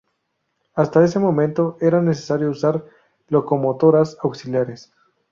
Hasta ese momento, era necesario usar locomotoras auxiliares.